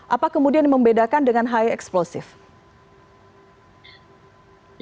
apa kemudian yang membedakan dengan high explosive